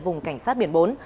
vùng cảnh sát biển bốn